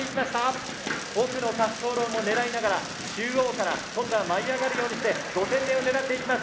奥の滑走路も狙いながら中央から今度は舞いあがるようにして５点目を狙っていきます。